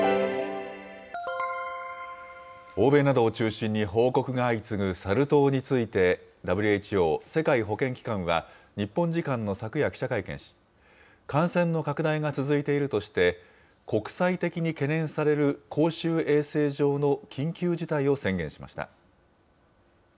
欧米などを中心に報告が相次ぐサル痘について、ＷＨＯ・世界保健機関は、日本時間の昨夜、記者会見し、感染の拡大が続いているとして、国際的に懸念される公衆衛生上の緊急事態を宣言しました。